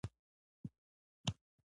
د دوی په لیدو سره لږ توپیر تر سترګو شي